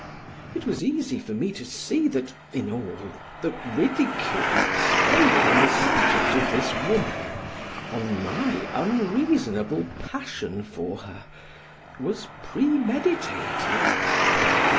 It was easy for me to see that in all, the ridicule expended on the subject of this woman, on my unreasonable passion for her, was premeditated.